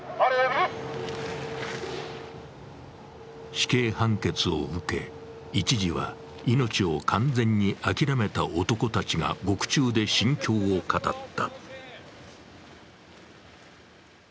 死刑判決を受け、一時は命を完全に諦めた男たちが獄中で心境を語った。